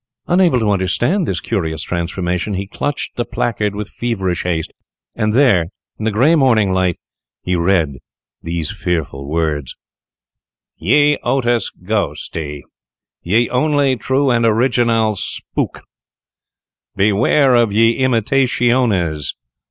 Unable to understand this curious transformation, he clutched the placard with feverish haste, and there, in the grey morning light, he read these fearful words: ++| YE OTIS GHOSTE || Ye Onlie True and Originale Spook, || Beware of Ye Imitationes.